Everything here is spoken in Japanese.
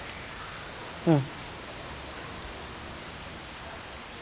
うん。